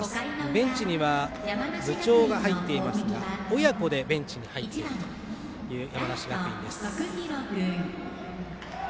ベンチには部長が入っていますが親子でベンチに入っているという山梨学院です。